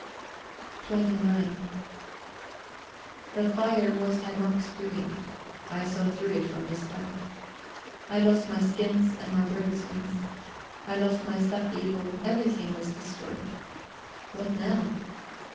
XXIX The fire was Herr Mack's doing. I saw through it from the first. I lost my skins and my birds' wings, I lost my stuffed eagle; everything was destroyed. What now?